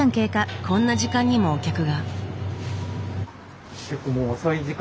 こんな時間にもお客が。